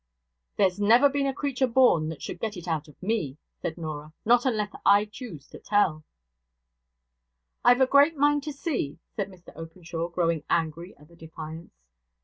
'There's never the creature born that should get it out of me,' said Norah. 'Not unless I choose to tell.' 'I've a great mind to see,' said Mr Openshaw, growing angry at the defiance.